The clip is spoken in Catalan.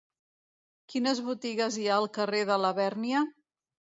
Quines botigues hi ha al carrer de Labèrnia?